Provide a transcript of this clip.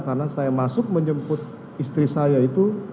karena saya masuk menjemput istri saya itu